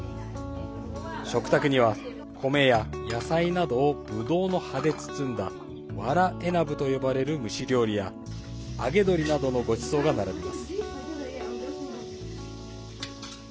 食卓には米や野菜などをぶどうの葉で包んだワラ・エナブと呼ばれる蒸し料理や揚げ鶏などのごちそうが並びます。